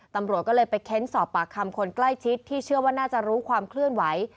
ตำรวจก็เลยไปเค้นสอบปากคำคนใกล้ชิดที่เชื่อว่าน่าจะรู้ความเคลื่อนไหว